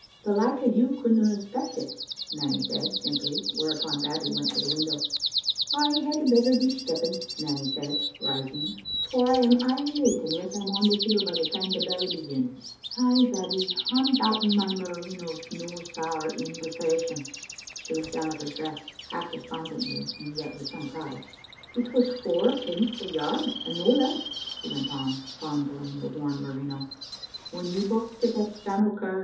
"The like o' you couldna expect it," Nanny said, simply, whereupon Babbie went to the window. "I had better be stepping," Nanny said, rising, "for I am Digitized by VjOOQ IC m tCbc Xittle Afnf0ter. aye late anless I'm on the hill by the time the bell be gins. Ay, Babbie, I'm doubting my merino's no sair in the fashion?" She looked down at her dress half despondently, and yet with some pride. " It was fowerpence the yard, and no less," she went on, fondling the worn merino, "when we bocht it at Sam'l Curr's.